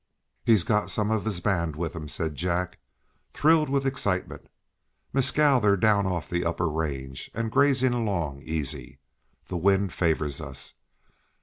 "He's got some of his band with him," said Jack, thrilled with excitement. "Mescal, they're down off the upper range, and grazing along easy. The wind favors us.